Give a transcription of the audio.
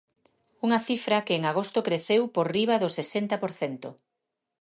Unha cifra que en agosto creceu por riba do sesenta por cento.